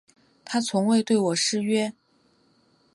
他从未对我失约